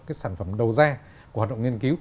cái sản phẩm đầu ra của hoạt động nghiên cứu